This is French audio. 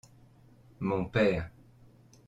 mont père.